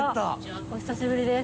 お久しぶりです